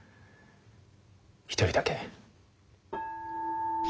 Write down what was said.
一人だけ。